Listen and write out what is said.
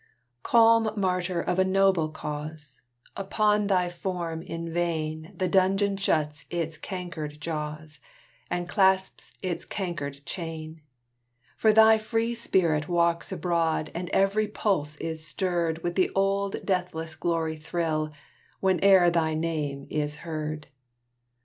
Calm martyr of a noble cause, Upon thy form in vain The Dungeon shuts its cankered jaws, And clasps its cankered chain; For thy free spirit walks abroad, And every pulse is stirred With the old deathless glory thrill, Whene'er thy name is heard.